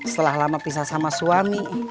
setelah lama pisah sama suami